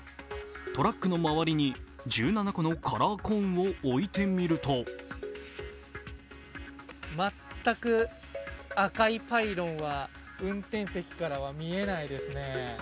トラックの周りに１７個のカラーコーンを置いてみると全く赤いパイロンは運転席からは見えないですね。